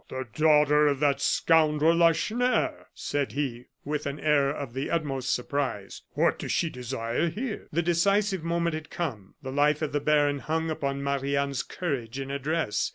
"The daughter of that scoundrel Lacheneur!" said he, with an air of the utmost surprise. "What does she desire here?" The decisive moment had come the life of the baron hung upon Marie Anne's courage and address.